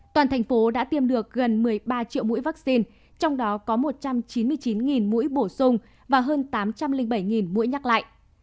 toàn thành phố đã tiêm được gần một mươi ba triệu mũi vaccine trong đó có một trăm chín mươi chín mũi bổ sung và hơn tám trăm linh bảy mũi nhắc lại